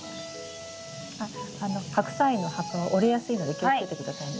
あっハクサイの葉っぱは折れやすいので気をつけて下さいね。